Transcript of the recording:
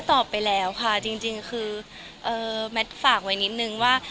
ทำบ้างแบรนด์อะไรยังไง